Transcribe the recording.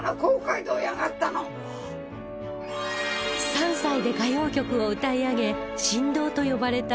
３歳で歌謡曲を歌い上げ神童と呼ばれた最愛の息子